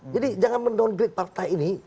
jadi jangan mendonggerit partai ini